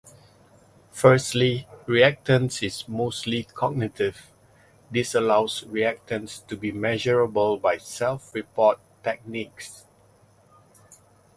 Firstly reactance is mostly cognitive; this allows reactance to be measurable by self-report techniques.